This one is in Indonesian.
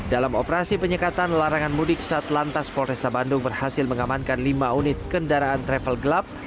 dalam operasi penyekatan larangan mudik saat lantas polresta bandung berhasil mengamankan lima unit kendaraan travel gelap